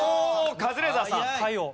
カズレーザーさん。